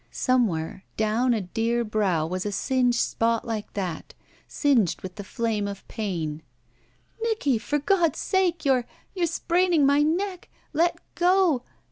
Somewhere — down a dear brow was a singed spd like that — singed with the flame at pain — "Nicky, for God's sake — you're — ^you're sprain ing my neck! Let go!